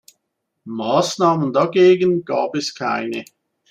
Maßnahmen dagegen gab es keine.